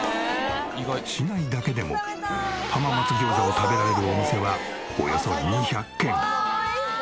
市内だけでも浜松餃子を食べられるお店はおよそ２００軒。